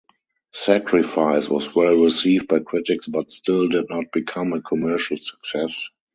"Sacrifice" was well received by critics but still did not become a commercial success.